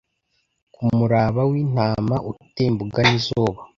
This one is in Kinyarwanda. Kumuraba wintama utemba ugana izuba